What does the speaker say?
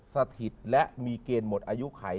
สถิตและมีเกณฑ์หมดอายุไข